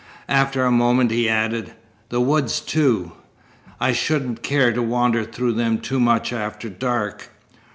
After a moment he added: "The woods, too. I shouldn't care to wander through them too much after dark."